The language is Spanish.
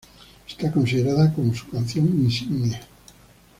Esta considerada como su canción insignia.